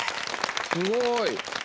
すごい。